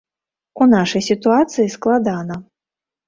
У нашай сітуацыі складана.